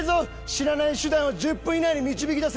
死なない手段を１０分以内に導き出せ。